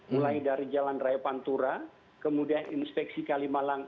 mulai dari jalan raya pantura kemudian inspeksi kalimalang